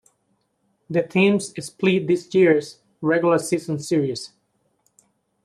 The teams split this year's regular season series.